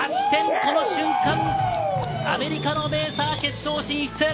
この瞬間、アメリカのメーサー、決勝進出！